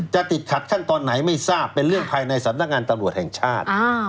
ติดขัดขั้นตอนไหนไม่ทราบเป็นเรื่องภายในสำนักงานตำรวจแห่งชาติ